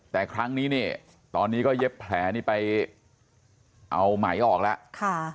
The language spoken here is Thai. แต่ครั้งนี้เนี่ยตอนนี้ก็เย็บแผลนี่ไปเอาไหมออกแล้ว